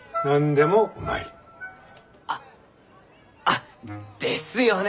あっあですよね！